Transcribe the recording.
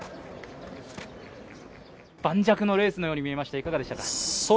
盤石のレースのように見えましたが、いかがでしたか？